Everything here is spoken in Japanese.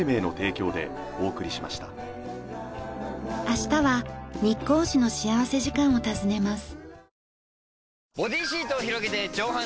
明日は日光市の幸福時間を訪ねます。